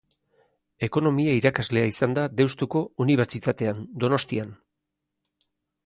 Ekonomia-irakaslea izan da Deustuko Unibertsitatean, Donostian.